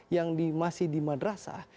yang masih di madrasah